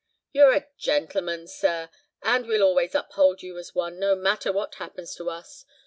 "You're a gentleman, sir, and we'll always uphold you as one, no matter what happens to us.